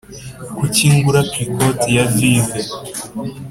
kuki ngura cliquot ya veuve,